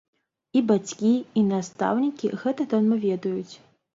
І бацькі, і настаўнікі гэта даўно ведаюць.